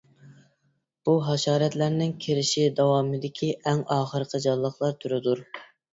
بۇ ھاشاراتلارنىڭ كىرىش داۋامىدىكى ئەڭ ئاخىرقى جانلىقلار تۈرىدۇر.